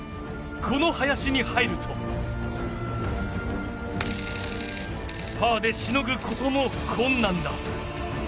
この林に入るとパーでしのぐことも困難だ。